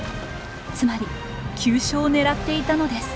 つまり急所を狙っていたのです。